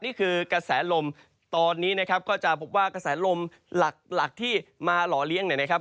นี่คือกระแสลมตอนนี้นะครับก็จะพบว่ากระแสลมหลักหลักที่มาหล่อเลี้ยงเนี่ยนะครับ